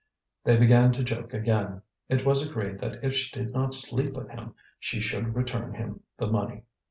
They began to joke again: it was agreed that if she did not sleep with him she should return him the money.